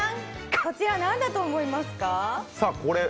こちら何だと思いますか？